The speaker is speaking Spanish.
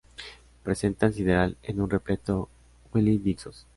Presentan Sideral en un repleto Willie Dixon.